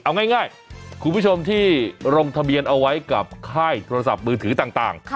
เอาง่ายคุณผู้ชมที่ลงทะเบียนเอาไว้กับค่ายโทรศัพท์มือถือต่าง